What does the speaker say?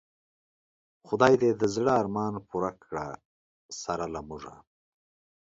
خدای دی د زړه ارمان پوره که سره له مونږه